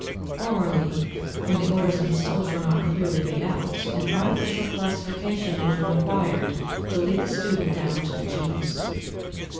Formerly, when the orders themselves were not clearly made out, an artificial classification was required to lead the student down to the genus.